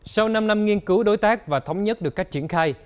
sau năm năm nghiên cứu đối tác và thống nhất được cách triển khai